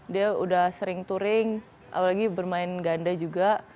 dia udah sering touring apalagi bermain ganda juga